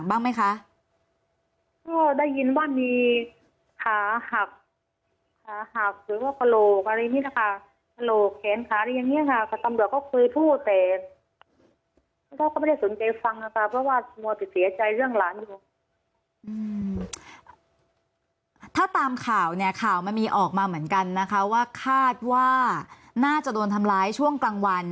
ถ้าตามข่าวเนี่ยข่าวมันมีออกมาเหมือนกันนะคะว่าคาดว่าน่าจะโดนทำร้ายช่วงกลางวัน